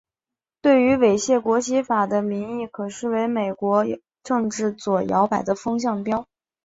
对于亵渎国旗法的民意可视为美国政治左摇摆的风向标。